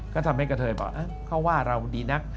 ก็ทำให้กระเทยบอกเขาว่าเราดีนัก